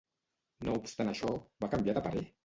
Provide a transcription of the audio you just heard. No obstant això, va canviar de parer?